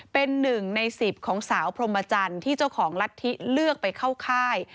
เป็นหนึ่งใน๑๐ของสาวพรมจันทร์ที่เจ้าของลัทธิเลือกไปเข้าค่าย